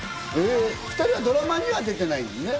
２人はドラマには出てないのね。